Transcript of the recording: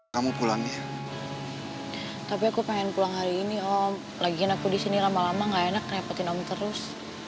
kamu pulangnya tapi aku pengen pulang hari ini om lagi aku disini lama lama enak repotin om terus